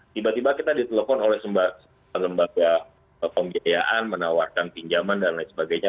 tiba tiba kita ditelepon oleh lembaga pembiayaan menawarkan pinjaman dan lain sebagainya